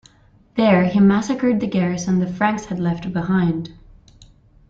There, he massacred the garrison the Franks had left behind.